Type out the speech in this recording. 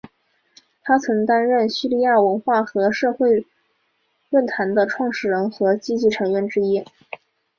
他曾担任叙利亚文化与社会论坛的创始人和积极成员之一。